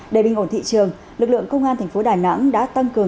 để bình ổn thị trường lực lượng công an thành phố đà nẵng đã tăng cường